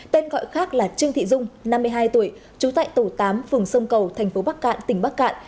tên gọi khác là trương thị dung năm mươi hai tuổi trú tại tổ tám phường sông cầu thành phố bắc cạn tỉnh bắc cạn